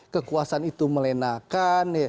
kekuasaan itu melenakan